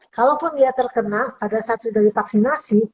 kalau pun dia terkena pada saat sudah divaksinasi